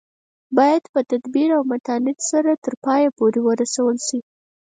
باید په تدبیر او متانت سره تر پایه پورې ورسول شي.